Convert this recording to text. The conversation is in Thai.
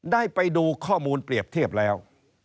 ได้ไปดูข้อมูลเปรียบเทียบแล้ว